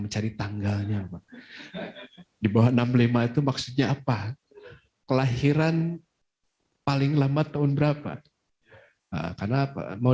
mencari tanggalnya dibawah enam puluh lima itu maksudnya apa kelahiran paling lama tahun berapa karena apa mau